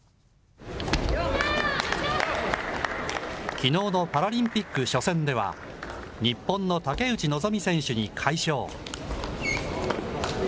きのうのパラリンピック初戦では、日本の竹内望選手に快勝。